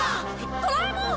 ドラえもん！